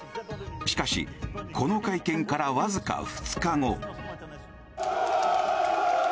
しかし、この会見からわずか２日後。